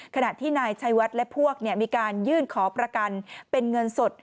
ขณะที่นายชัยวัดและพวกมีการยื่นขอประกันเป็นเงินสด